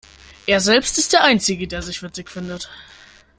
Er selbst ist der Einzige, der sich witzig findet.